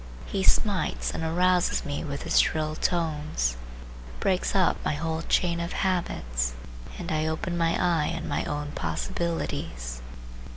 He smites and arouses me with his shrill tones, breaks up my whole chain of habits, and I open my eye on my own possibilities.